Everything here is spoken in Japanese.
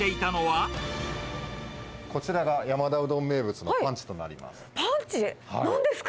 こちらが山田うどん名物のパパンチ？なんですか？